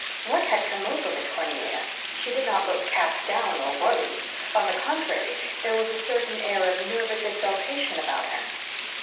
What had come over Miss Cornelia? She did not look cast down or worried. On the contrary, there was a certain air of nervous exultation about her.